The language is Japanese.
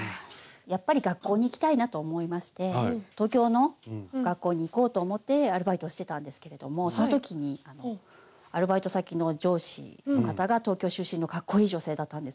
やっぱり学校に行きたいなと思いまして東京の学校に行こうと思ってアルバイトをしてたんですけれどもその時にアルバイト先の上司の方が東京出身のかっこいい女性だったんですけど。